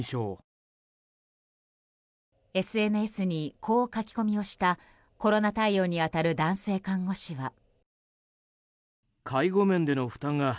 ＳＮＳにこう書き込みをしたコロナ対応に当たる男性看護師は。